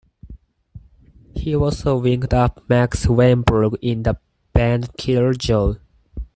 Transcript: He also linked up Max Weinberg in the band Killer Joe.